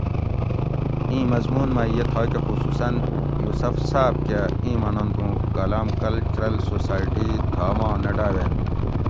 اِیں مضمون مئ یہ تھاکہ خصوصاً یوسف صاۤب کہ ایں مننت اُوں کالام کلچرل سوسائٹی تھاما نہ ڈاوینت